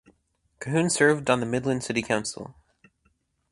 Cahoon served on the Midland City Council.